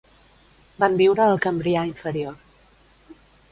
Van viure al Cambrià inferior.